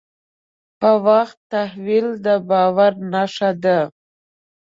په وخت تحویل د باور نښه ده.